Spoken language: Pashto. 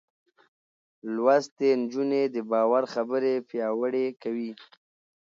لوستې نجونې د باور خبرې پياوړې کوي.